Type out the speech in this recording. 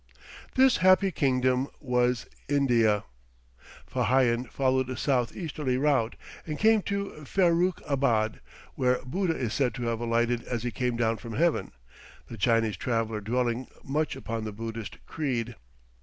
This happy kingdom was India. Fa Hian followed a south easterly route, and came to Feroukh abad, where Buddha is said to have alighted as he came down from heaven, the Chinese traveller dwelling much upon the Buddhist Creed.